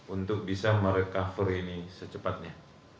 untuk bisa merecover ini secepatnya